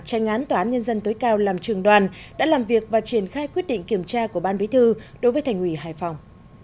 tranh án tòa án nhân dân tối cao làm trường đoàn đã làm việc và triển khai quyết định kiểm tra của ban bí thư đối với thành ủy hải phòng